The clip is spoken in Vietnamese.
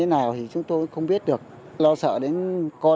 nhiều người dân lo lắng